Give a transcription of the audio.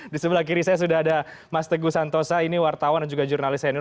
di sebelah kiri saya sudah ada mas teguh santosa ini wartawan dan juga jurnalis senior